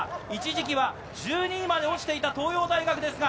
一時は１２位まで落ちていた東洋大学。